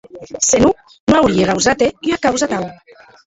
Se non, non aurie gausat hèr ua causa atau.